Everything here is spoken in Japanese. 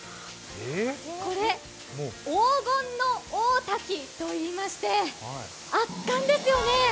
これ黄金の大滝といいまして圧巻ですよね。